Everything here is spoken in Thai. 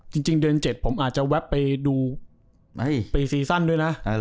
จริงเดือน๗ผมอาจจะแวบไปดูไปซีซั่นด้วยนะ